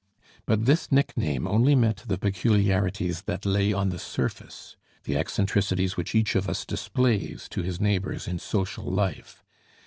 But this nickname only met the peculiarities that lay on the surface, the eccentricities which each of us displays to his neighbors in social life.